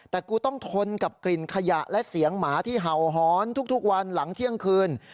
แต่กูต้องทนกับกลิ่นขยะและเสียงหมาที่เห่าหอนทุกวันหลังเที่ยงคืน